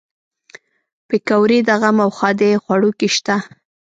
پکورې د غم او ښادۍ خوړو کې شته